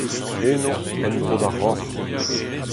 Eno, en-dro d'ar Roc'h…